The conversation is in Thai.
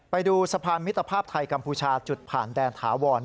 ไปดูสะพานมิตรภาพไทยกัมพูชาจุดผ่านแดนถาวร